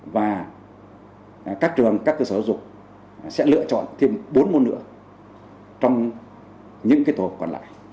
và các trường các cơ sở giáo dục sẽ lựa chọn thêm bốn môn nữa trong những tổ hợp còn lại